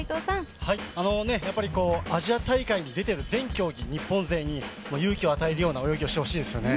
やっぱりアジア大会に出てる全競技、日本勢に勇気を与えるような泳ぎをしてほしいですよね